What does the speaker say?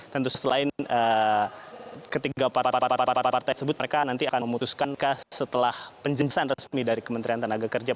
tentu selain ketiga partai tersebut mereka nanti akan memutuskan setelah penjelasan resmi dari kementerian tenaga kerja